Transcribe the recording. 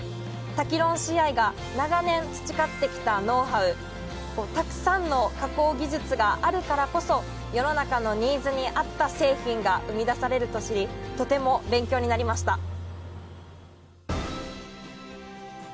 タキロンシーアイが長年培ってきたノウハウたくさんの加工技術があるからこそ世の中のニーズに合った製品が生み出されると知りとても勉強になりました。